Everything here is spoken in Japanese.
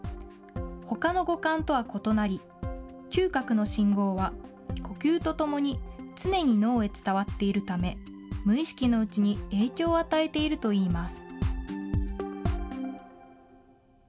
ほかの五感とは異なり、嗅覚の信号は呼吸とともに常に脳へ伝わっているため、無意識のうちに影響を与えているといいます。